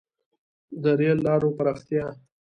• د رېل لارو پراختیا.